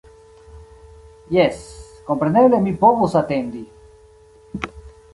Jes, kompreneble mi povus atendi.